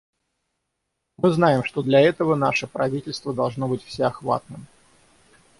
Мы знаем, что для этого наше правительство должно быть всеохватным.